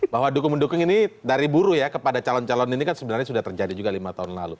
bahwa dukung mendukung ini dari buruh ya kepada calon calon ini kan sebenarnya sudah terjadi juga lima tahun lalu